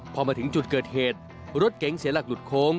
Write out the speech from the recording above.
พอมาถึงจุดเกิดเหตุรถเก๋งเสียหลักหลุดโค้ง